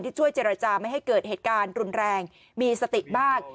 ช่วยเจรจาไม่ให้เกิดเหตุการณ์รุนแรงมีสติมาก